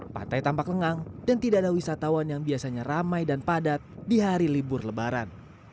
pantai tampak lengang dan tidak ada wisatawan yang biasanya ramai dan padat di hari libur lebaran